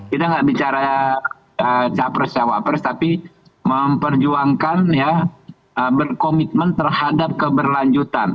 kita nggak bicara capres cawapres tapi memperjuangkan ya berkomitmen terhadap keberlanjutan